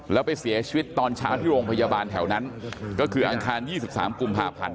แล้วไปเสียชีวิตตอนเช้าที่โรงพยาบาลแถวนั้นก็คืออังคาร๒๓กุมภาพันธ์